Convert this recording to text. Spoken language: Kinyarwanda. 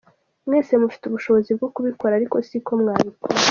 Mwese mufite ubushobozi bwo kubikora ariko siko mwabikora.